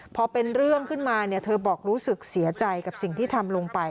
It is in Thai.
พอเป็นเรื่องขึ้นมาเนี่ยเธอบอกรู้สึกเสียใจกับสิ่งที่ทำลงไป